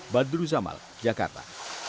badru zamal jakarta